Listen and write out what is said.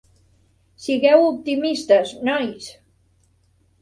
Sigueu optimistes, nois.